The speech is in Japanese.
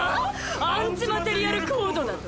アンチマテリアルコードだと？